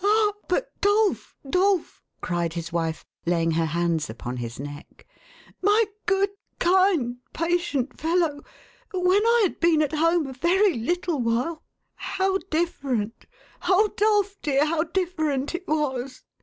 " Ah ! but, Dolf, Dolf !" cried his wife, laying her hands 462 THE HAUNTED MAN. upon his neck, " my good, kind, patient fellow, when I had been at home a very little while — how different ! Oh, Dolf, dear, how different it was